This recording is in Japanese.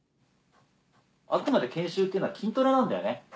あくまで研修っていうのは筋トレなんだよね。